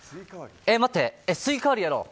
待って、スイカ割りやろう。